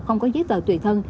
không có giấy tờ tùy thân